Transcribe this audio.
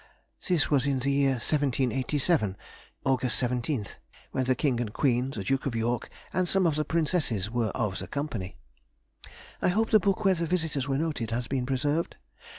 This was in the year 1787, August 17th, when the King and Queen, the Duke of York and some of the Princesses were of the company. I hope the book where the visitors were noted, has been preserved?